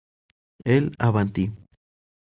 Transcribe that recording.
El "Avanti!